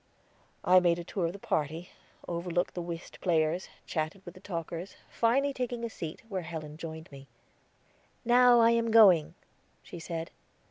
I made the tour of the party, overlooked the whist players, chatted with the talkers, finally taking a seat, where Helen joined me. "Now I am going," she said.